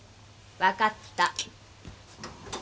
分かった。